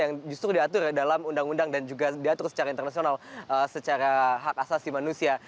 yang justru diatur dalam undang undang dan juga diatur secara internasional secara hak asasi manusia